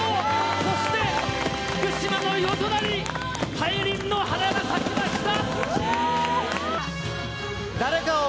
そして福島の夜空に大輪の花が咲きました。